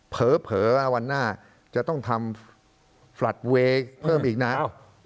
เผลอเผลอวันหน้าจะต้องทำเพิ่มอีกนะอ้าว